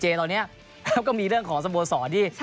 ตอนนี้ก็มีเรื่องของสโมสรที่